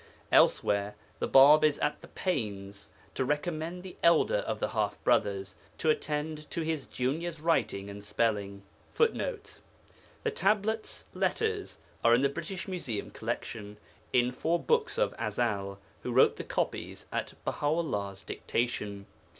Elsewhere the Bāb is at the pains to recommend the elder of the half brothers to attend to his junior's writing and spelling. [Footnote: The Tablets (letters) are in the British Museum collection, in four books of Ezel, who wrote the copies at Baha 'ullah's dictation.